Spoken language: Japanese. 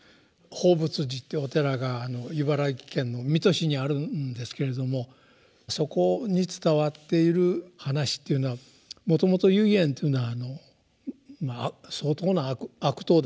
報佛寺っていうお寺が茨城県の水戸市にあるんですけれどもそこに伝わっている話っていうのはもともと唯円というのは相当な悪党だったそうです。